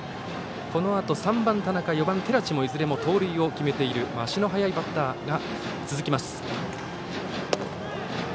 このあと３番、田中４番、寺地もいずれも盗塁を決めている足の速いバッターが続きます。